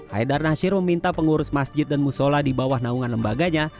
haidar nasir meminta pengurus masjid dan musola di bawah naungan lembaganya